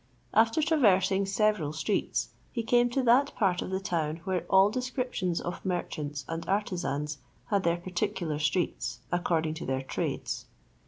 After traversing several streets, he came to that part of the town where all descriptions of merchants and artisans had their particular streets, according to their trades.